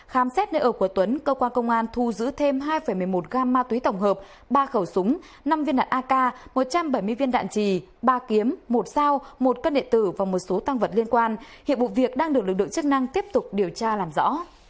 khám xét nơi ở của tuấn cơ quan công an thu giữ thêm hai một mươi một gam ma túy tổng hợp ba khẩu súng năm viên đạn ak một trăm bảy mươi viên đạn trì ba kiếm một sao một cân đệ tử và một số tăng vật liên quan hiện vụ việc đang được lực lượng chức năng tiếp tục điều tra làm rõ